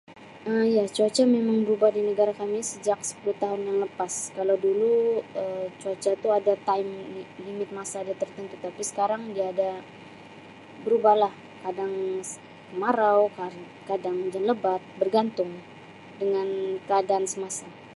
Um Ya, cuaca memang berubah di negara kami sejak sepuluh tahun yang lepas. Kalau dulu Um cuaca tu ada time li-limit masa dia tartinggi tapi sekarang dia ada berubah lah kadang kemarau, kadang hujan lebat, bergantung dengan keadaan semasa.